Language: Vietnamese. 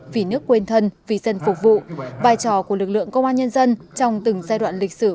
vì nước quên thân vì dân phục vụ vai trò của lực lượng công an nhân dân trong từng giai đoạn lịch sử